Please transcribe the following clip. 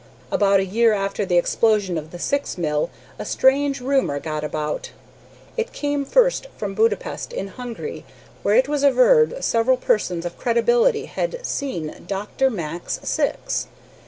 About a year after the explosion of the Syx mill a strange rumor got about. It came first from Budapest, in Hungary, where it was averred several persons of credibility had seen Dr. Max Syx.